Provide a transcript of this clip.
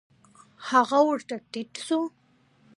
هغه ورته ټيټ سو.